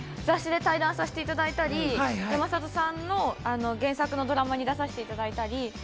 雑誌で対談させていただいたり、山里さんの原作のドラマに出させていただいたり。